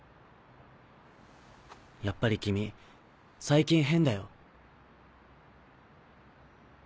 やっぱり君最近変だよ。